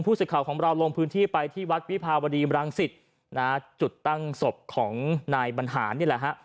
สิทธิ์ข่าวของเราลงพื้นที่ไปที่วัดวิภาวดีมรังสิตนะฮะจุดตั้งศพของนายบรรหารนี่แหละฮะ